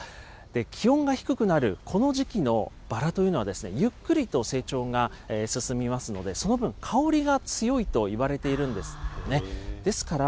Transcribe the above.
気温が低くなるこの時期のバラというのは、ゆっくりと成長が進みますので、その分、香りが強いといわれているんですよね。